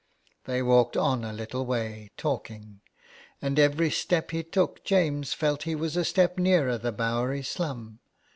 They walked on a little way talking, and every step he took James felt that he was a step nearer the Bowery slum.